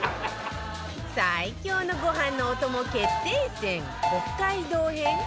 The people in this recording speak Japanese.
最強のご飯のお供決定戦北海道編